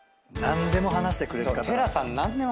何でも話してくれる。